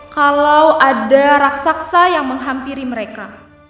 kalau ada raksasa yang menghampiri mereka